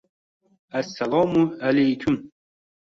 Assalomu aleykum.